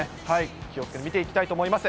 気をつけて見ていきたいと思います。